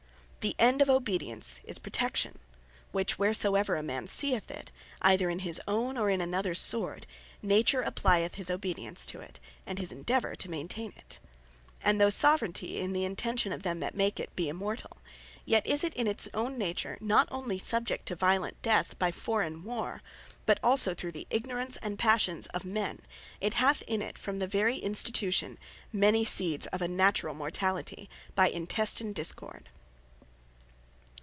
The end of Obedience is Protection; which, wheresoever a man seeth it, either in his own, or in anothers sword, Nature applyeth his obedience to it, and his endeavour to maintaine it. And though Soveraignty, in the intention of them that make it, be immortall; yet is it in its own nature, not only subject to violent death, by forreign war; but also through the ignorance, and passions of men, it hath in it, from the very institution, many seeds of a naturall mortality, by Intestine Discord.